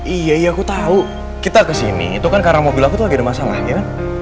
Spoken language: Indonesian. iya iya aku tahu kita kesini itu kan karena mobil aku tuh lagi ada masalahnya